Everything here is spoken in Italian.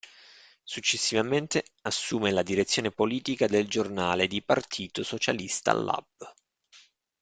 Successivamente, assume la direzione politica del giornale di partito "Socialista Lab".